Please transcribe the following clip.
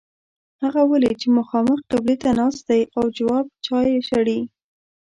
هغه ولید چې مخامخ قبلې ته ناست دی او جواب چای شړي.